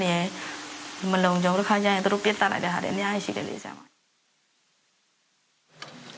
ท่านประธานครับนี่คือสิ่งที่สุดท้ายของท่านครับ